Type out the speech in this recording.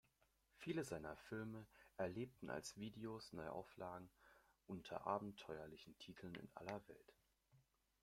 Viele seiner Filme erlebten als Videos Neuauflagen unter abenteuerlichen Titeln in aller Welt.